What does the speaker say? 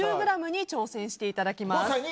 ２５０ｇに挑戦していただきます。